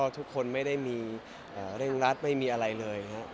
ทุกคนไม่ได้มีเร่งรัดไม่มีอะไรเลย